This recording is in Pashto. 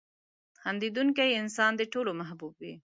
• خندېدونکی انسان د ټولو محبوب وي.